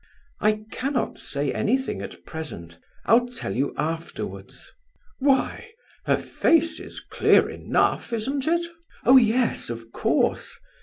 "I cannot say anything at present. I'll tell you afterwards." "Why? Her face is clear enough, isn't it?" "Oh yes, of course.